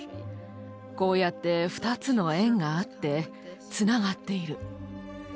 こうやって２つの円があってつながっている。